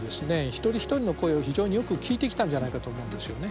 一人一人の声を非常によく聞いてきたんじゃないかと思うんですよね。